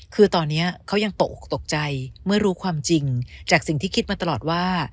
คือตอนนี้เขายังตกออกตกใจเมื่อรู้ความจริงจากสิ่งที่คิดมาตลอดว่า